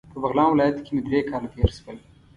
په بغلان ولایت کې مې درې کاله تیر شول.